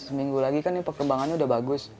seminggu lagi kan ini perkembangannya udah bagus